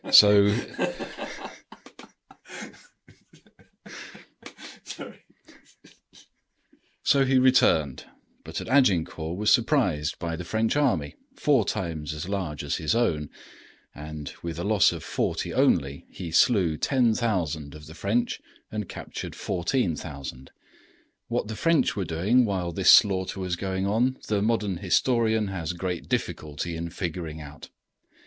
So he returned; but at Agincourt was surprised by the French army, four times as large as his own, and with a loss of forty only, he slew ten thousand of the French and captured fourteen thousand. What the French were doing while this slaughter was going on the modern historian has great difficulty in figuring out.